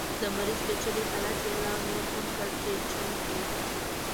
د مرض پېچلی حالت یې لا نور هم کړکېچن کړ.